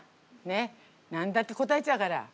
ねっ何だって答えちゃうから。